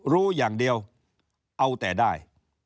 รู้อย่างเดียวเอาแต่ได้